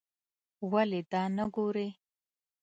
ولې دا نه ګورې.